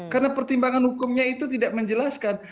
karena pertimbangan hukumnya itu tidak menjelaskan